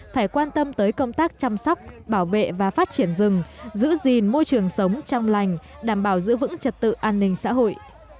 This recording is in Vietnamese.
phải quan tâm tới công tác chăm sóc bảo vệ và phát triển rừng giữ gìn môi trường sống trong lành đảm bảo giữ vững trật tự an ninh xã hội